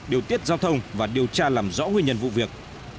điều tiết giao thông và điều tra làm rõ nguyên nhân vụ việc